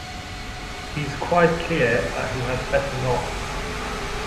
He is quite clear that he had better not.